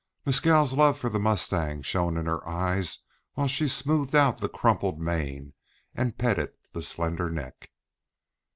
Mescal's love for the mustang shone in her eyes while she smoothed out the crumpled mane, and petted the slender neck.